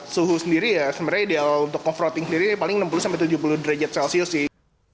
suhu sendiri ya sebenarnya ideal untuk coff roating sendiri paling enam puluh sampai tujuh puluh derajat celcius sih